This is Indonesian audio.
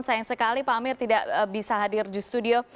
sayang sekali pak amir tidak bisa hadir di studio